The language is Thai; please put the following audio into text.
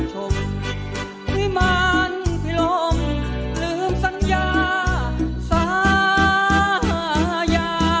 เจ้าอยู่แห่งไหนหัวใจเลือนลอย